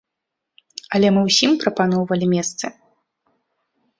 Але мы ўсім прапаноўвалі месцы.